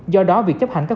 do đó việc chấp hành tốt